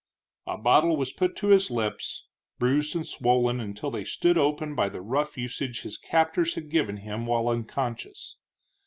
A bottle was put to his lips, bruised and swollen until they stood open by the rough usage his captors had given him while unconscious.